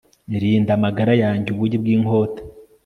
rinda amagara yanjye ubugi bw'inkota